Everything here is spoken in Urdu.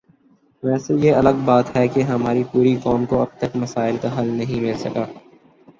ویسے یہ الگ بات ہے کہ ہماری پوری قوم کو اب تک مسائل کا حل نہیں مل سکا